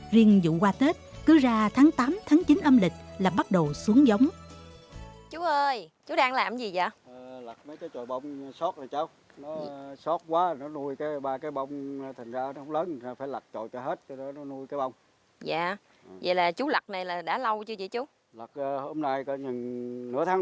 riêng dụng qua tết cứ ra tháng tám tháng chín âm lịch là bắt đầu xuống giống